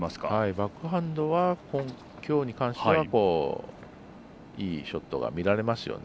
バックハンドはきょうに関してはいいショットが見られますよね。